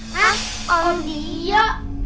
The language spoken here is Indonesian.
hah oh dio